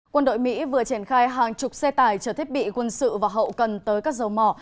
quân đội mỹ vừa triển khai hàng chục xe tải chở thiết bị quân sự và hậu cần tới các dầu mỏ